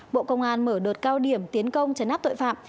bộ công an mở đợt cao điểm tiến công chấn áp tội phạm